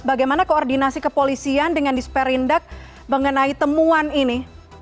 bagaimana koordinasi kepolisian dengan disperindak mengenai temuan ini